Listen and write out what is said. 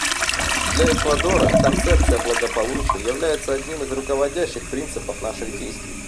Для Эквадора концепция благополучия является одним из руководящих принципов наших действий.